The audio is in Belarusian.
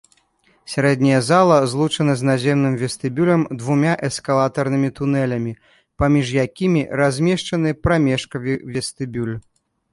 Сярэдняя зала злучана з наземным вестыбюлем двума эскалатарнымі тунэлямі, паміж якімі размешчаны прамежкавы вестыбюль.